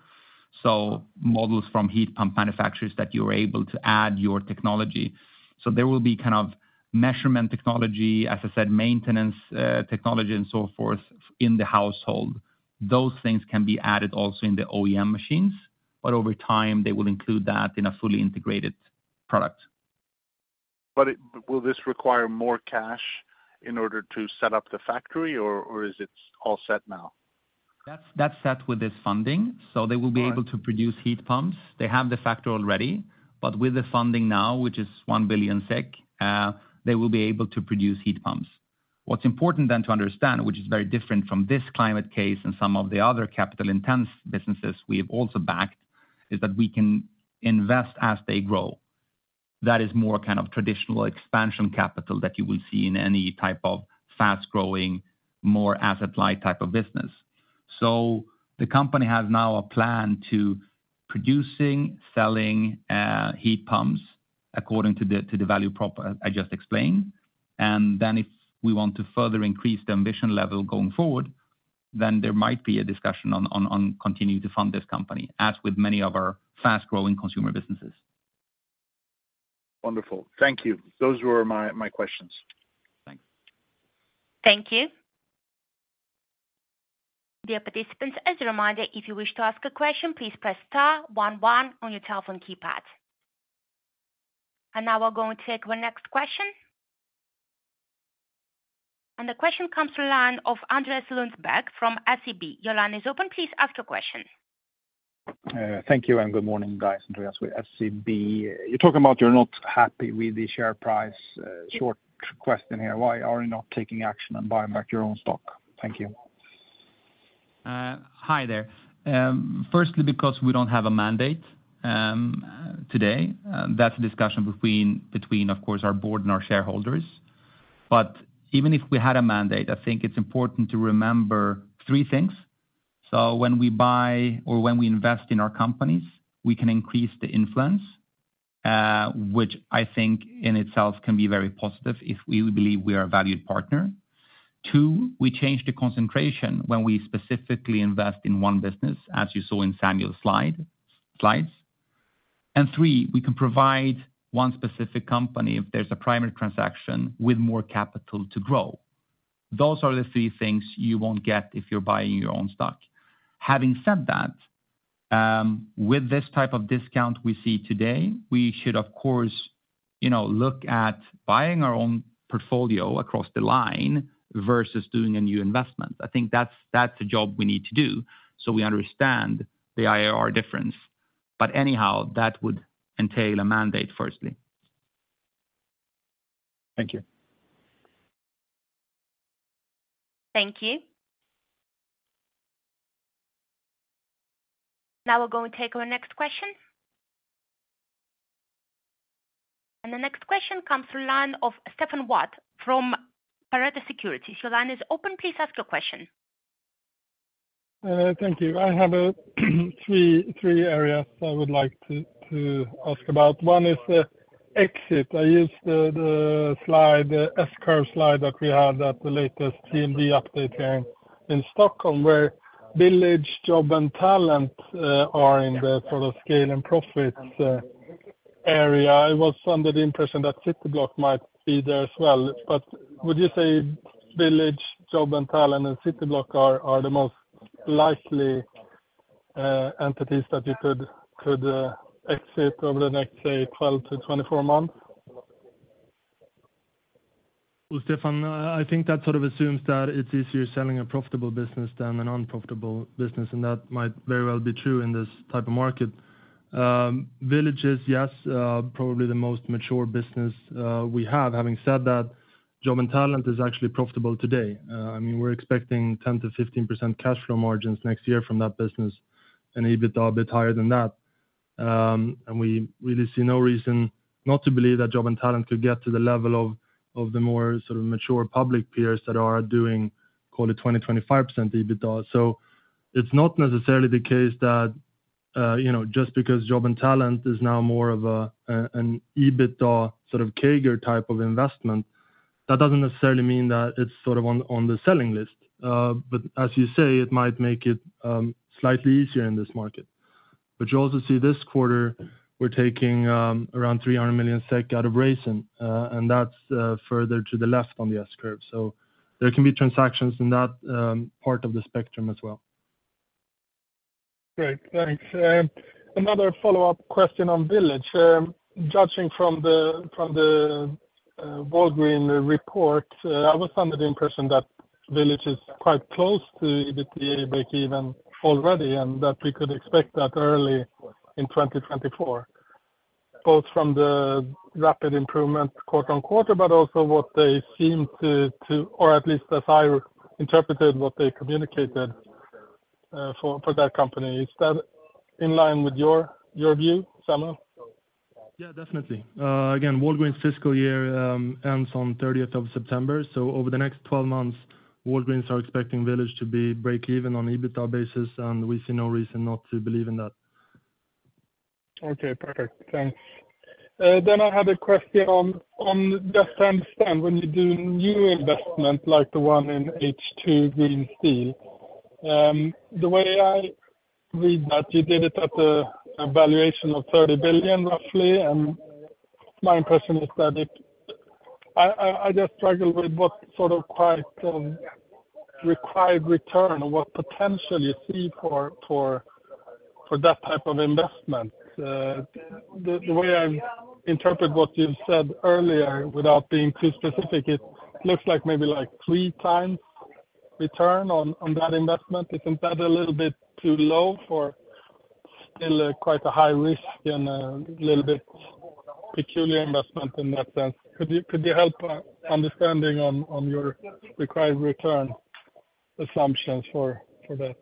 so models from heat pumps manufacturers that you're able to add your technology. So there will be kind of measurement technology, as I said, maintenance technology and so forth, in the household. Those things can be added also in the OEM machines, but over time, they will include that in a fully integrated product. Will this require more cash in order to set up the factory, or is it all set now? That's, that's set with this funding, so they will be- All right. Able to produce heat pumps. They have the factory already, but with the funding now, which is 1 billion SEK, they will be able to produce heat pumps. What's important then to understand, which is very different from this climate case and some of the other capital-intensive businesses we have also backed, is that we can invest as they grow. That is more kind of traditional expansion capital that you will see in any type of fast-growing, more asset-light type of business. So the company has now a plan to producing, selling, heat pumps according to the, to the value prop, I just explained, and then if we want to further increase the ambition level going forward, then there might be a discussion on, on, on continuing to fund this company, as with many of our fast-growing consumer businesses. Wonderful. Thank you. Those were my questions. Thank you. Thank you. Dear participants, as a reminder, if you wish to ask a question, please press star one one on your telephone keypad. Now we're going to take the next question. The question comes to line of Andreas Lundberg from SEB. Your line is open. Please ask your question. Thank you and good morning, guys, Andreas with SEB. You're talking about you're not happy with the share price. Short question here: Why are you not taking action and buying back your own stock? Thank you. Hi there. Firstly, because we don't have a mandate today, that's a discussion between, between, of course, our board and our shareholders. But even if we had a mandate, I think it's important to remember three things. So when we buy or when we invest in our companies, we can increase the influence, which I think in itself can be very positive if we believe we are a valued partner. Two, we change the concentration when we specifically invest in one business, as you saw in Samuel's slide, slides. And three, we can provide one specific company if there's a primary transaction with more capital to grow. Those are the three things you won't get if you're buying your own stock. Having said that, with this type of discount we see today, we should, of course, you know, look at buying our own portfolio across the line versus doing a new investment. I think that's a job we need to do, so we understand the IR difference. But anyhow, that would entail a mandate, firstly. Thank you. Thank you. Now we're going to take our next question. The next question comes from line of Stefan Wård from Pareto Securities. Your line is open. Please ask your question. Thank you. I have three areas I would like to ask about. One is the exit. I use the slide, the S-Curve slide that we had at the latest CMD update here in Stockholm, where Village, Job&Talent are in the sort of scale and profits area. I was under the impression that Cityblock might be there as well, but would you say Village, Job&Talent, and Cityblock are the most likely entities that you could exit over the next, say, 12-24 months? Well, Stefan, I think that sort of assumes that it's easier selling a profitable business than an unprofitable business, and that might very well be true in this type of market. VillageMD, yes, probably the most mature business we have. Having said that, Job&Talent is actually profitable today. I mean, we're expecting 10%-15% cash flow margins next year from that business, and EBITDA a bit higher than that. And we really see no reason not to believe that Job&Talent could get to the level of the more sort of mature public peers that are doing, call it 20-25% EBITDA. So it's not necessarily the case that, you know, just because Job&Talent is now more of a, an EBITDA sort of CAGR type of investment, that doesn't necessarily mean that it's sort of on the selling list. But as you say, it might make it slightly easier in this market. But you also see this quarter, we're taking around 300 million SEK out of Raisin, and that's further to the left on the S-Curve. So there can be transactions in that part of the spectrum as well. Great, thanks. Another follow-up question on Village. Judging from the Walgreens report, I was under the impression that Village is quite close to EBITDA breakeven already, and that we could expect that early in 2024, both from the rapid improvement quarter-on-quarter, but also what they seem to or at least as I interpreted what they communicated for that company. Is that in line with your view, Samuel? Yeah, definitely. Again, Walgreens fiscal year ends on 30th of September. So over the next 12 months, Walgreens are expecting Village to be breakeven on EBITDA basis, and we see no reason not to believe in that. Okay, perfect. Thanks. Then I had a question on. Just to understand, when you do new investment like the one in H2 Green Steel, the way I read that, you did it at a valuation of 30 billion, roughly, and my impression is that it. I just struggle with what sort of required return or what potential you see for that type of investment. The way I interpret what you said earlier, without being too specific, it looks like maybe like 3x return on that investment. Isn't that a little bit too low for still quite a high risk and a little bit peculiar investment in that sense? Could you help understanding on your required return assumptions for that?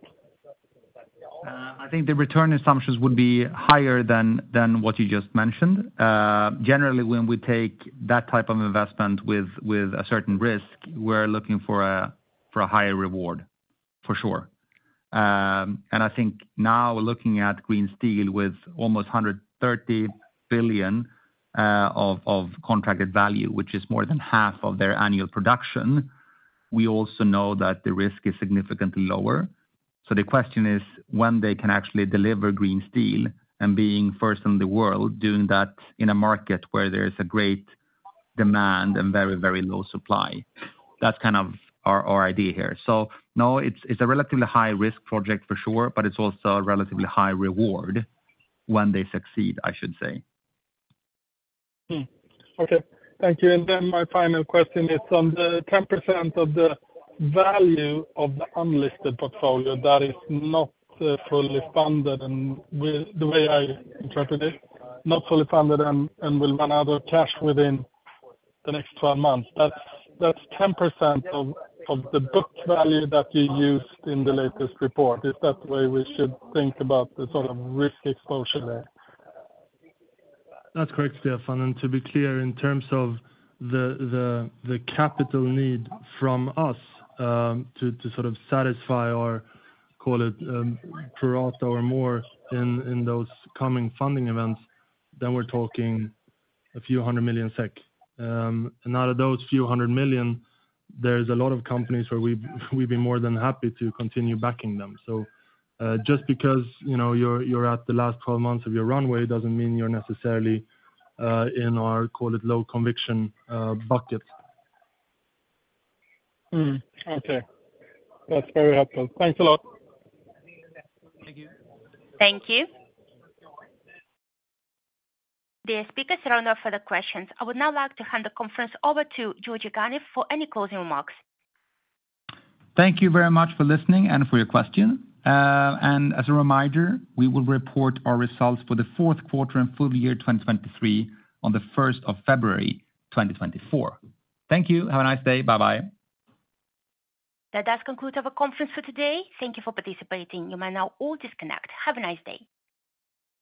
I think the return assumptions would be higher than what you just mentioned. Generally, when we take that type of investment with a certain risk, we're looking for a higher reward, for sure. And I think now, looking at Green Steel with almost 130 billion of contracted value, which is more than half of their annual production, we also know that the risk is significantly lower. So the question is when they can actually deliver green steel and being first in the world doing that in a market where there is a great demand and very, very low supply. That's kind of our idea here. So no, it's a relatively high risk project for sure, but it's also a relatively high reward when they succeed, I should say. Hmm. Okay, thank you. And then my final question is on the 10% of the value of the unlisted portfolio that is not fully funded, and with the way I interpreted it, not fully funded and will run out of cash within the next 12 months. That's 10% of the book value that you used in the latest report. Is that the way we should think about the sort of risk exposure there? That's correct, Stefan. To be clear, in terms of the capital need from us to sort of satisfy or call it pro rata or more in those coming funding events, then we're talking a few hundred million SEK. And out of those few hundred million, there's a lot of companies where we'd be more than happy to continue backing them. So just because, you know, you're at the last 12 months of your runway doesn't mean you're necessarily in our call it low conviction bucket. Hmm. Okay. That's very helpful. Thanks a lot. Thank you. Thank you. The speakers are now for the questions. I would now like to hand the conference over to Georgi Ganev for any closing remarks. Thank you very much for listening and for your question. And as a reminder, we will report our results for the fourth quarter and full year 2023 on the first of February, 2024. Thank you. Have a nice day. Bye-bye. That does conclude our conference for today. Thank you for participating. You may now all disconnect. Have a nice day.